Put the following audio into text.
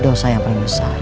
dosa yang paling besar